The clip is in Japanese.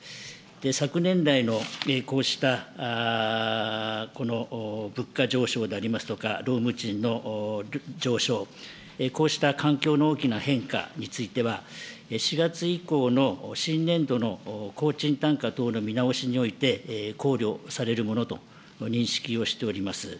昨年来のこうしたこの物価上昇でありますとか、労務賃の上昇、こうした環境の大きな変化については、４月以降の新年度の工賃単価等の見直しにおいて、考慮されるものと認識をしております。